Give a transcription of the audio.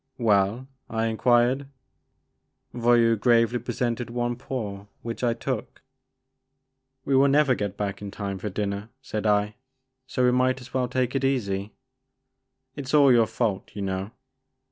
Well?" I enquired. Voyou gravely presented one paw which I took. TTie Maker of Moons. 2 1 We will never get back in time for dinner,*' said I, *'so we might as well take it easy. It 's all your fault, you know.